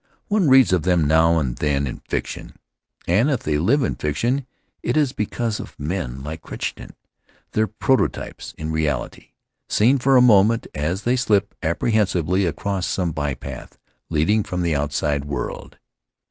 One reads of them now and then in fiction, and if they live in fiction it is because of men like Crichton, their proto types in reality, seen for a moment as they slip appre hensively across some by path leading from the outside world.